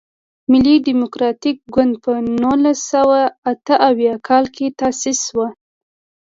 ملي ډیموکراتیک ګوند په نولس سوه اته اویا کال کې تاسیس شو.